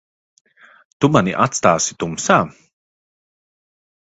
Tu mani atstāsi tumsā?